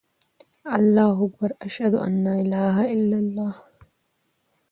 اللهاکبر، اشهدان الاله االاهلل